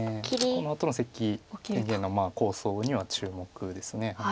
このあとの関天元の構想には注目です。